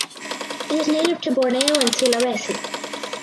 It is native to Borneo and Sulawesi.